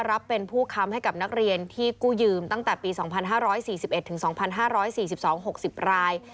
รับเป็นผู้ค้ำให้กับนักเรียนที่กู้ยืมตั้งแต่ปี๒๕๔๑๒๕๔๒๖๐ราย